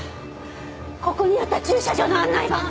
ここにあった駐車場の案内板！